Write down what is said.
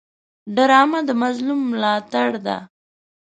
ډرامه د مظلوم ملاتړ ده